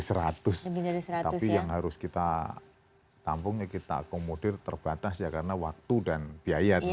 tapi yang harus kita tampungnya kita akomodir terbatas karena waktu dan biaya